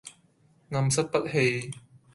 暗室不欺